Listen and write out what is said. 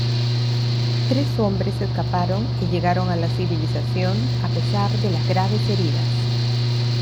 Tres hombres escaparon y llegaron a la civilización a pesar de las graves heridas.